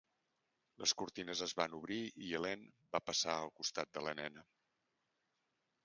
Les cortines es van obrir i Helene va passar al costat de la nena.